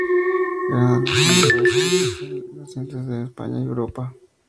Es una de las más singulares arquitecturas renacentistas de España y de Europa.